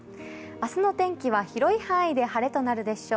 明日の天気は広い範囲で晴れとなるでしょう。